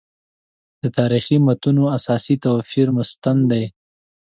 د تاریخي متونو اساسي توپیر مستند دی.